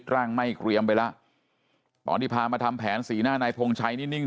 ร่างไหม้เกรียมไปแล้วตอนที่พามาทำแผนสีหน้านายพงชัยนี่นิ่ง